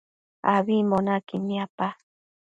Ambimbo naquid niapa